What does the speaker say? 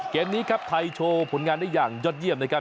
เกมนี้ครับไทยโชว์ผลงานได้อย่างยอดเยี่ยมนะครับ